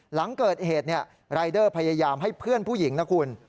หลังเกิดเหตุรายเดอร์พยายามให้เพื่อนผู้หญิงนะคุณ